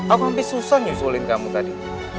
aku lebih susah nyusulin kamu tadi